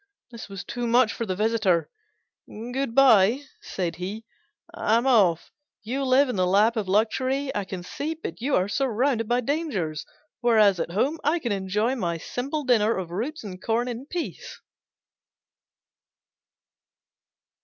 This was too much for the visitor. "Good bye," said he, "I'm off. You live in the lap of luxury, I can see, but you are surrounded by dangers; whereas at home I can enjoy my simple dinner of roots and corn in peace."